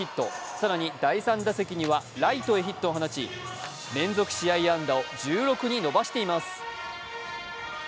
更に第３打席にはライトへヒットを放ち連続試合安打を１６に伸ばしています。